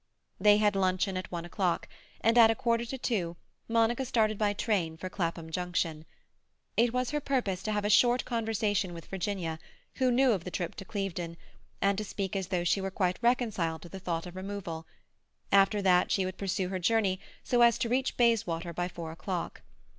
They had luncheon at one o'clock, and at a quarter to two Monica started by train for Clapham Junction. It was her purpose to have a short conversation with Virginia, who knew of the trip to Clevedon, and to speak as though she were quite reconciled to the thought of removal; after that, she would pursue her journey so as to reach Bayswater by four o'clock.